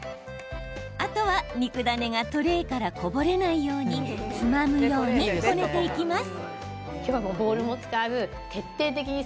あとは、肉ダネがトレーからこぼれないようにつまむようにこねていきます。